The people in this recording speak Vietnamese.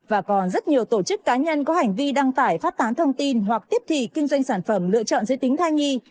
và còn rất nhiều tổ chức cá nhân có hành vi đăng tải phát tán thông tin hoặc tiếp thị kinh doanh sản phẩm lựa chọn giới tính thai nhi